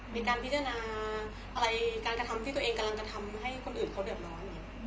มีการพิจารณาอะไรการกระทำที่ตัวเองกำลังจะทำให้คนอื่นเขาเดือดร้อน